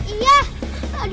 aduh ayah kemana sih